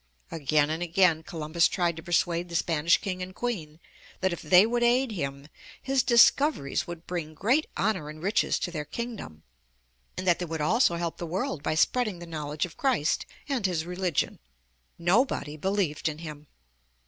Again and again Columbus tried to persuade the Spanish King and Queen that if they would aid him, his discoveries would bring great honor and riches to their kingdom, and that they would also help the world by spreading the knowledge of Christ and His religion. Nobody believed in him.